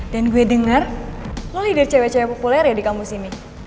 dan gue denger lo leader cewek cewek populer ya di kampus ini